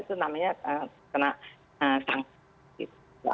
itu namanya terkena sanksi